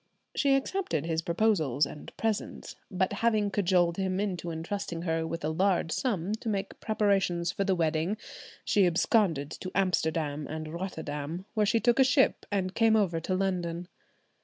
She accepted his proposals and presents; but having cajoled him into entrusting her with a large sum to make preparations for the wedding, she absconded to Amsterdam and Rotterdam, where she took ship and came over to London.